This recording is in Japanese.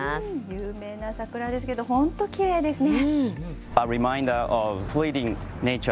有名な桜ですけど、本当きれいですね。